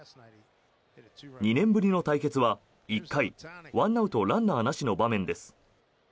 ２年ぶりの対決は１回１アウト、ランナーなしの場面です。